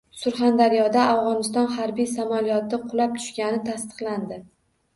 Surxondaryoda Afg‘oniston harbiy samolyoti qulab tushgani tasdiqlandi